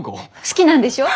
好きなんでしょ？